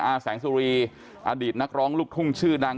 แสงสุรีอดีตนักร้องลูกทุ่งชื่อดัง